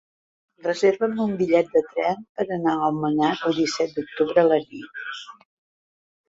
Reserva'm un bitllet de tren per anar a Almenar el disset d'octubre a la nit.